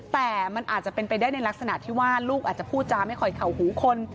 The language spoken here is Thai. แต่มันอาจจะเป็นไปได้ในลักษณะที่ว่าลูกอาจจะพูดจาไม่ค่อยเข่าหูคน